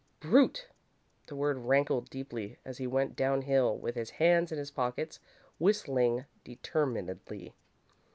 "Brute!" The word rankled deeply as he went downhill with his hands in his pockets, whistling determinedly.